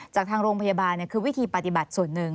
จากทางโรงพยาบาลคือวิธีปฏิบัติส่วนหนึ่ง